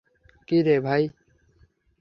কি রে ভাই!